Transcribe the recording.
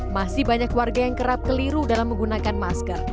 masih banyak warga yang kerap keliru dalam menggunakan masker